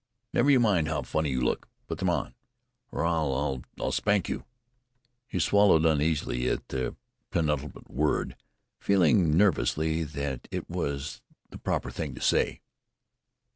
"Never you mind how funny you look. Put them on or I'll or I'll spank you." He swallowed uneasily at the penultimate word, feeling nevertheless that it was the proper thing to say.